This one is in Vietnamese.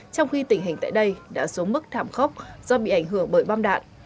trong khi tình hình tại đây đã xuống mức thảm khốc do bị ảnh hưởng bởi bom đạn